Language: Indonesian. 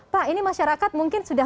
pak ini masyarakat mungkin sudah